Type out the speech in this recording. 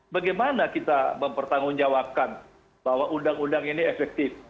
bagaimana kita mempertanggungjawabkan bahwa undang undang ini efektif